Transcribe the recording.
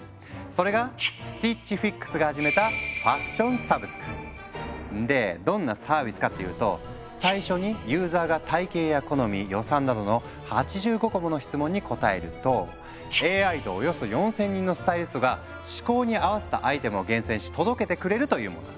それがスティッチ・フィックスが始めたでどんなサービスかっていうと最初にユーザーが体型や好み予算などの８５個もの質問に答えるとＡＩとおよそ４，０００人のスタイリストが嗜好に合わせたアイテムを厳選し届けてくれるというもの。